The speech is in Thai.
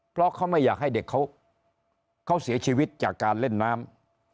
เพราะเขาไม่อยากให้เด็กเขาเสียชีวิตจากการเล่นน้ำ